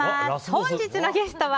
本日のゲストは